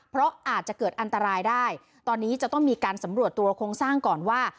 เพราะอาจจะเกิดอันตรายได้ตอนนี้จะต้องมีการสำรวจตัวโครงสร้างก่อนว่า